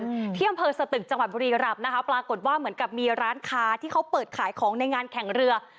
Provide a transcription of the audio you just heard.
อืมที่อำเภอสตึกจังหวัดบุรีรำนะคะปรากฏว่าเหมือนกับมีร้านค้าที่เขาเปิดขายของในงานแข่งเรือ